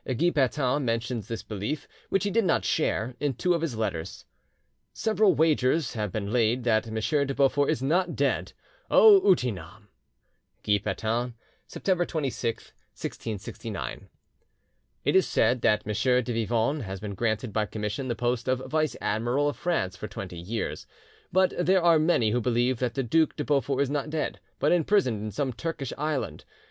Guy Patin mentions this belief, which he did not share, in two of his letters:— "Several wagers have been laid that M. de Beaufort is not dead! 'O utinam'!" (Guy Patin, September 26, 1669). "It is said that M. de Vivonne has been granted by commission the post of vice admiral of France for twenty years; but there are many who believe that the Duc de Beaufort is not dead, but imprisoned in some Turkish island.